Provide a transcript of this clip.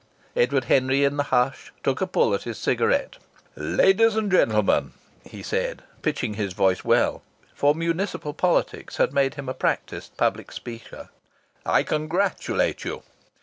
Edward Henry, in the hush, took a pull at his cigarette. "Ladies and gentlemen," he said, pitching his voice well for municipal politics had made him a practised public speaker, "I congratulate you.